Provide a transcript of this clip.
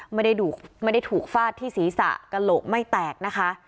ไม่ได้ถูกฟาดที่ศีรษะกระโหลกไม่แตกนะคะ